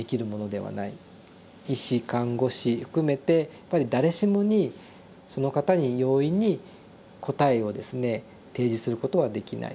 医師看護師含めてやっぱり誰しもにその方に容易に答えをですね提示することはできない。